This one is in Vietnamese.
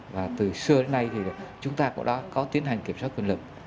và từ xưa đến nay thì chúng ta cũng đã có tiến hành kiểm soát quyền lực